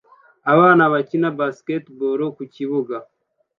Abana bakina basketball ku kibuga